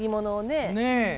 ねえ。